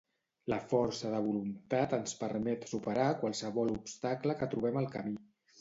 La força de voluntat ens permet superar qualsevol obstacle que trobem al camí.